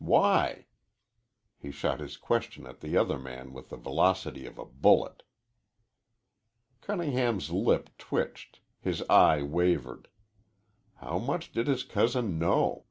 Why?" He shot his question at the other man with the velocity of a bullet. Cunningham's lip twitched, his eye wavered. How much did his cousin know?